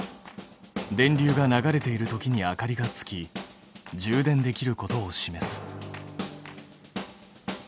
電流が流れているときに明かりがつき充電できることを示す。